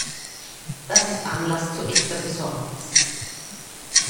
Das ist Anlass zu echter Besorgnis.